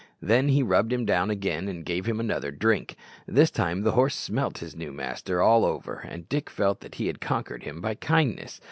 Then he rubbed him down again, and gave him another drink. This time the horse smelt his new master all over, and Dick felt that he had conquered him by kindness.